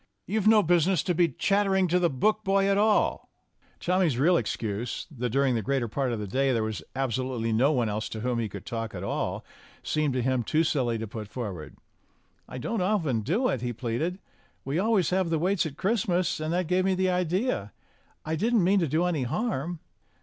"You've no business to be chattering to the boot boy at all." Tommy's real excuse that during the greater part of the day there was absolutely no one else to whom io8 STORIES WITHOUT TEARS he could talk at all seemed to him too silly to put forward. "I don't often do it," he pleaded. "We always have the waits at Christmas, and that gave me the idea. I didn't mean to do any harm."